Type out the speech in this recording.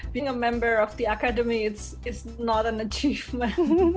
menjadi anggota akademi itu bukan pencapaian